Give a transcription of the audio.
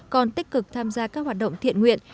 còn tích cực tham gia các hoạt động thiện nguyện